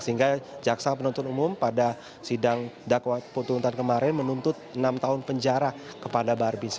sehingga jaksa penonton umum pada sidang dakwa penontonan kemarin menuntut enam tahun penjara kepada barbis